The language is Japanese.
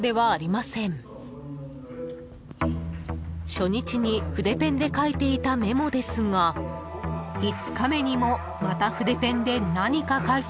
［初日に筆ペンで書いていたメモですが５日目にもまた筆ペンで何か書いています］